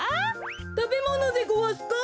たべものでごわすか？